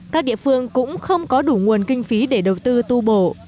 các địa phương cũng không có đủ nguồn kinh phí để đầu tư tu bổ